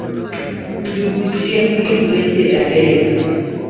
njungu chiek gi dweche adek